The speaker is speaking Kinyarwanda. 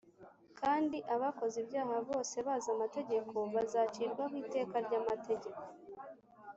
kandi abakoze ibyaha bose bazi amategeko bazacirwa ho iteka ry’amategeko